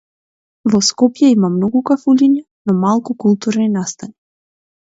Во Скопје има многу кафулиња, но малку културни настани.